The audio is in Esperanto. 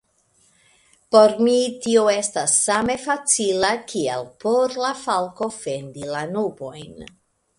Por mi tio estas same facila kiel por la falko fendi la nubojn.